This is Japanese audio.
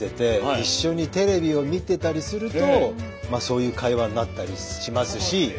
一緒にテレビを見てたりするとまあそういう会話になったりしますし。